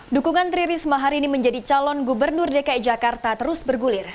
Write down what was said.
dukungan tri risma hari ini menjadi calon gubernur dki jakarta terus bergulir